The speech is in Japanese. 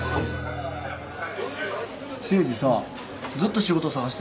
誠治さずっと仕事探してんねやろ？